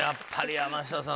山下さん